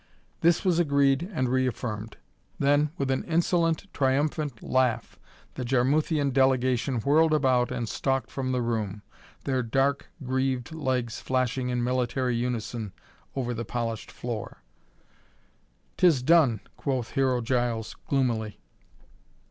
This was agreed and reaffirmed. Then, with an insolent, triumphant laugh, the Jarmuthian delegation whirled about and stalked from the room, their dark greaved legs flashing in military unison over the polished floor. "'Tis done," quoth Hero Giles gloomily.